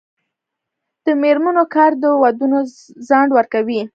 د میرمنو کار د ودونو ځنډ ورکوي.